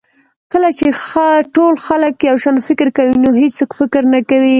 کله چې ټول خلک یو شان فکر کوي نو هېڅوک فکر نه کوي.